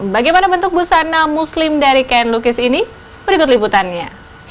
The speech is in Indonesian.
bagaimana bentuk busana muslim dari kain lukis ini berikut liputannya